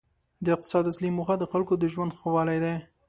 د اقتصاد اصلي موخه د خلکو د ژوند ښه والی دی.